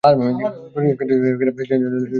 দরিয়া খাঁ ছিলেন হযরত খান জাহান আলীর সহচর।